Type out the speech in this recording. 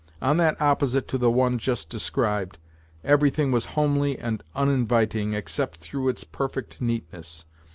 On that opposite to the one just described, everything was homely and uninviting, except through its perfect neatness.